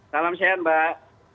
salam sehat mbak